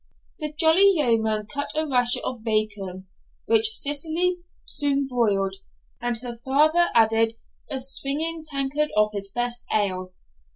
The jolly yeoman cut a rasher of bacon, which Cicely soon broiled, and her father added a swingeing tankard of his best ale.